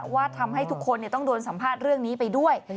ว่าทำให้ทุกคนต้องโดนสัมภาษณ์เรื่องนี้ไปด้วย